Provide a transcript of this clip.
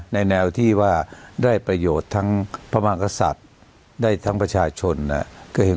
ในแนวที่ว่าได้ประโยชน์ทั้งพมันกษัตริย์ทั้งผู้ชายทางชน